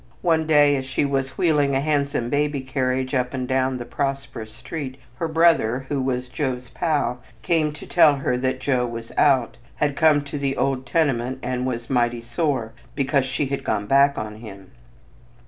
One day as she was wheeling a handsome baby carriage up and down the prosperous street, her brother, who was "Joe's pal," came to tell her that Joe was "out," had come to the old tenement and was "mighty sore" because "she had gone back on him."